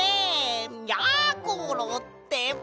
やころってば！